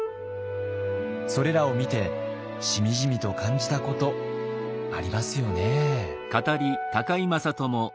それらを見てしみじみと感じたことありますよね。